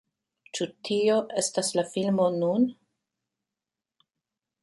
Ĉu tio estas la filmo nun?